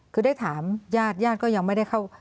คือได้ถามญาติญาติก็ยังไม่ได้เข้า